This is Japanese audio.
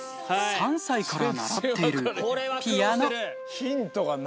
３歳から習っているピアノ。